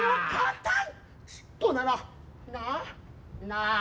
なあ。